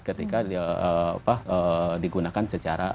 ketika digunakan secara